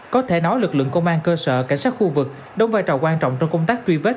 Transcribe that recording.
có thể nói lực lượng công an cơ sở cảnh sát khu vực đóng vai trò quan trọng trong công tác truy vết